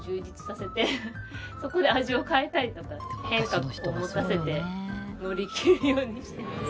そこで味を変えたりとかして変化を持たせて乗り切るようにしてます。